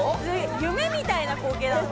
夢みたいな光景だもん・